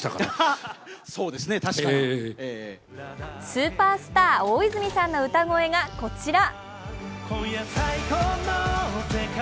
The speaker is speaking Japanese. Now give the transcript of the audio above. スーパースター大泉さんの歌声が、こちら。